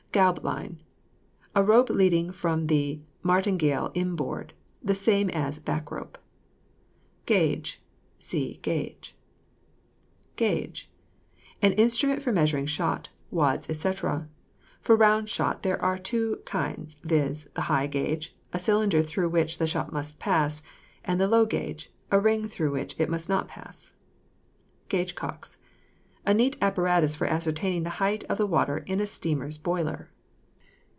GAUB LINE. A rope leading from the martingale in board. The same as back rope. GAUGE. See GAGE. GAUGE. An instrument for measuring shot, wads, &c. For round shot there are two kinds, viz. the high gauge, a cylinder through which the shot must pass; and the low gauge, a ring through which it must not pass. GAUGE COCKS. A neat apparatus for ascertaining the height of the water in a steamer's boiler.